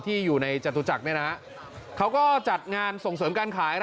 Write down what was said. ที่อยู่ในจตุจักรเขาก็จัดงานส่งเสริมการขาย